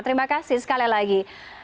terima kasih sekali lagi